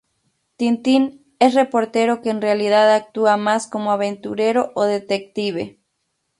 Tintín es reportero que en realidad actúa más como aventurero o detective.